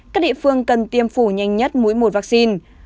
các địa phương cần tiêm phủ nhanh nhất mỗi mùa vaccine